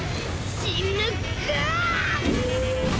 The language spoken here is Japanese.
死ぬかぁ！